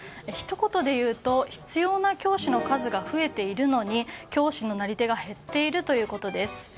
ひと言でいうと必要な教師の数が増えているのに、教師のなり手が減っているということです。